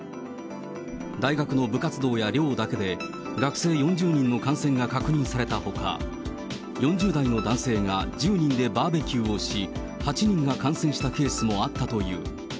大学の部活動や寮だけで、学生４０人の感染が確認されたほか、４０代の男性が１０人でバーベキューをし、８人が感染したケースもあったという。